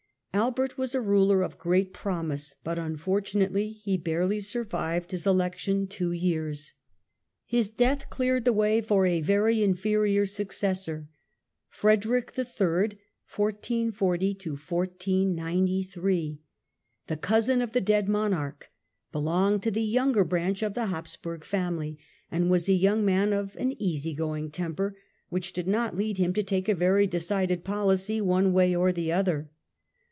Albert was a ruler of great promise, but unfortunately he barely survived his election two years. His death cleared the way for a very inferior sue prg^j^^.j^,]. cessor. Frederick III, cousin of the dead monarch, ii^ . 1440 belonged to the younger branch of the Habsburg family, and was a youDg man of an easy going temper, which did not lead him to take a very decided policy one way or the other.